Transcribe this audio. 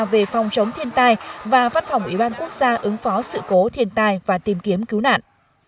về phòng chống thiên tai và văn phòng ủy ban quốc gia ứng phó sự cố thiên tai và tìm kiếm cứu nạn